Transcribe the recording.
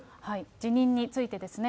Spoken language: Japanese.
辞任についてですね。